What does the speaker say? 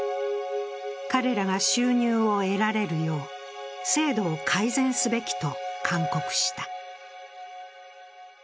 彼らが収入を得られるよう制度を改善すべきと勧告した。